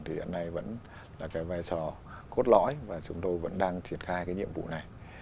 thì hiện nay vẫn là cái vai trò cốt lõi và chúng tôi vẫn đang triển khai cái nhiệm vụ này